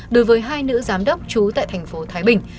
đối với hai nữ giám đốc trú tại tp thái bình